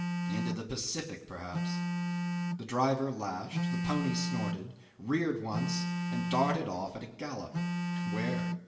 Into the Pacific, perhaps. The driver lashed; the pony snorted, reared once, and darted off at a gallop. Where?